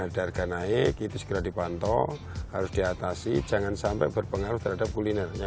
harga harga naik itu segera dipantau harus diatasi jangan sampai berpengaruh terhadap kulinernya